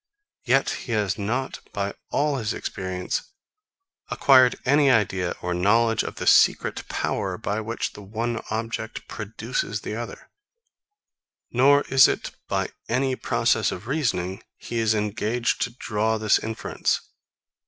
Yet he has not, by all his experience, acquired any idea or knowledge of the secret power by which the one object produces the other; nor is it, by any process of reasoning, he is engaged to draw this inference.